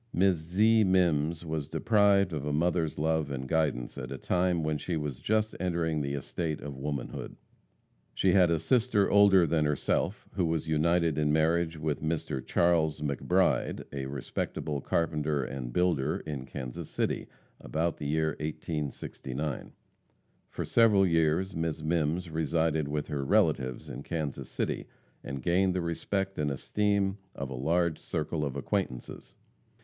Miss Zee Mimms was deprived of a mother's love and guidance at a time when she was just entering the estate of womanhood. She had a sister older than herself who was united in marriage with Mr. Charles McBride, a respectable carpenter and builder in Kansas City, about the year 1869. For several years Miss Mimms resided with her relatives in Kansas City, and gained the respect and esteem of a large circle of acquaintances.